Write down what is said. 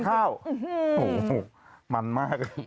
เจ้าโหมันมาก